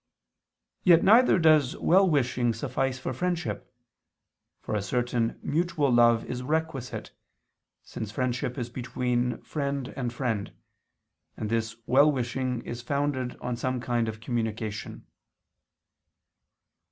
Yet neither does well wishing suffice for friendship, for a certain mutual love is requisite, since friendship is between friend and friend: and this well wishing is founded on some kind of communication.